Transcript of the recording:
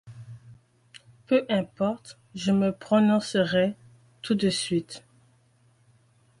Peu importe, je me prononcerai tout de suite.